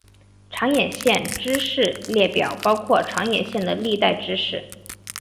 长野县知事列表包括长野县的历代知事。